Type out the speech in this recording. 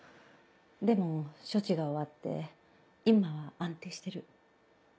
でも処置が終わって今は安定してる。